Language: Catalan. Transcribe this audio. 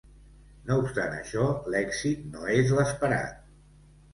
No obstant això, l'èxit no és l'esperat.